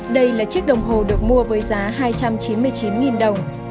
đây là chiếc đồng hồ được mua với giá hai trăm chín mươi chín đồng